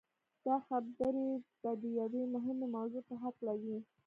دا خبرې به د يوې مهمې موضوع په هکله وي.